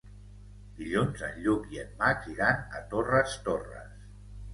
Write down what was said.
Dilluns en Lluc i en Max iran a Torres Torres.